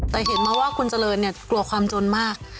แต่เห็นมาว่าคุณเจริญเนี่ยกลัวความจนมาก